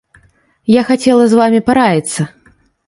Я хацела з вамі параіцца.